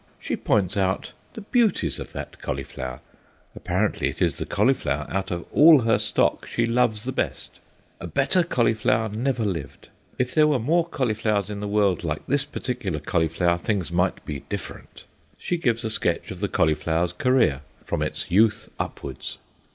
She points out the beauties of that cauliflower. Apparently it is the cauliflower out of all her stock she loves the best; a better cauliflower never lived; if there were more cauliflowers in the world like this particular cauliflower things might be different. She gives a sketch of the cauliflower's career, from its youth upwards.